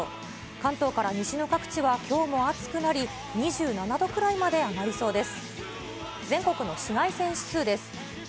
関東から西の各地はきょうも暑くなり２７度くらいまで上がりそうです。